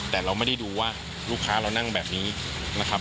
แต่เราไม่ได้ดูว่าลูกค้าเรานั่งแบบนี้นะครับ